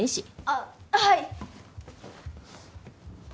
あっはい！